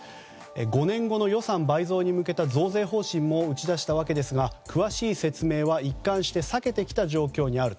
５年後の予算倍増に向けた増税方針も打ち出したわけですが詳しい説明は一貫して避けてきた状況にあると。